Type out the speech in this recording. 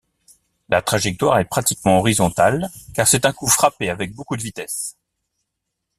La trajectoire est pratiquement horizontale car c'est un coup frappé avec beaucoup de vitesse.